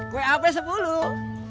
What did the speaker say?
kue api sepuluh